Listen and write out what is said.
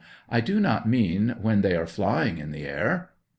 I do not mean when they are flying in the air